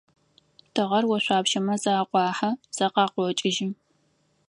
Тыгъэр ошъуапщэмэ зэ акъуахьэ, зэ къакъокӏыжьы.